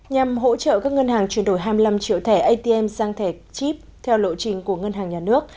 nhằm hỗ trợ các ngân hàng chuyển đổi hai mươi năm triệu thẻ atm sang thẻ chip theo lộ trình của ngân hàng nhà nước